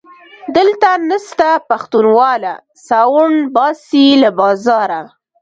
دلته نسته پښتونواله - ساوڼ باسي له بازاره